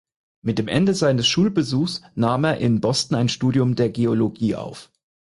Mit dem Ende seines Schulbesuchs nahm er in Boston ein Studium der Geologie auf.